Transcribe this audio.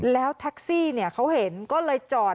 แล้วแท็กซี่เขาเห็นก็เลยจอด